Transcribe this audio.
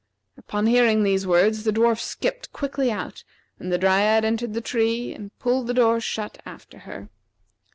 Upon hearing these words the dwarf skipped quickly out, and the Dryad entered the tree and pulled the door shut after her.